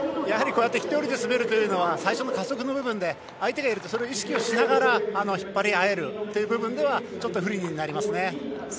やはり１人で滑るというのは最初の加速の部分で相手がいればそれを意識しながら引っ張り合える部分ではちょっと不利になりますね。